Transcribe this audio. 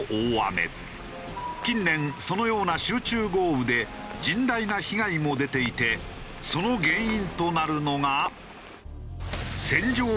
近年そのような集中豪雨で甚大な被害も出ていてその原因となるのが。